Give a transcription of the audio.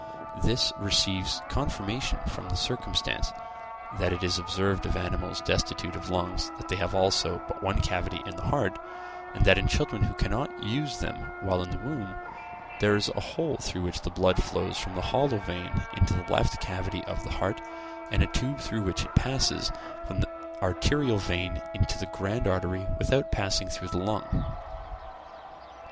This receives confirmation from the circumstance, that it is observed of animals destitute of lungs that they have also but one cavity in the heart, and that in children who cannot use them while in the womb, there is a hole through which the blood flows from the hollow vein into the left cavity of the heart, and a tube through which it passes from the arterial vein into the grand artery without passing through the lung.